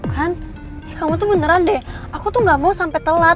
kan kamu tuh beneran deh aku tuh gak mau sampai telat